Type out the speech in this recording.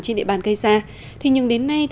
trên địa bàn cây xa nhưng đến nay